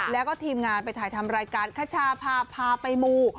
แล้วก็ทีมงานไปถ่ายทำรายการคชาพาพาไปมู